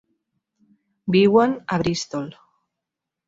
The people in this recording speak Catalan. Viuen a Bristol.